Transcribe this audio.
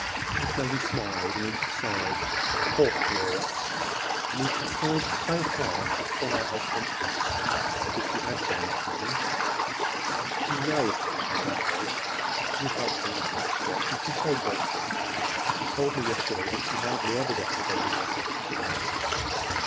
Miss Maggie smiled; then she sighed. "Poor Flora—and when she tried so hard to quiet her conscience because she had so much money! But you know how that was. You helped her out of that scrape. And she's so grateful! She told me yesterday that she hardly ever gets a begging letter now."